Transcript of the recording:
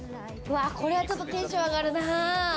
これはちょっとテンション上がるな。